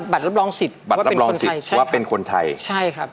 บัตรรับรองสิทธิ์ว่าเป็นคนไทย